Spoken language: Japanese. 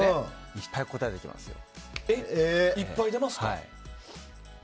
いっぱい答えてきますよ。